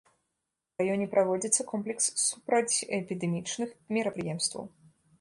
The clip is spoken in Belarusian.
У раёне праводзіцца комплекс супрацьэпідэмічных мерапрыемстваў.